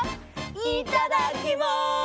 いただきます！